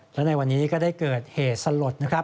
และในวันนี้ก็ได้เกิดเหตุสลดนะครับ